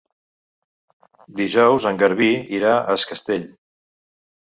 Dijous en Garbí irà a Es Castell.